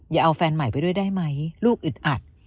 อย่าเอาแฟนใหม่ไปด้วยได้ไหมลูกอึดอัด